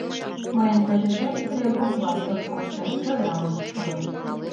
Мыйын почешем стрелок Байков коштын, чодырам ончыктылын.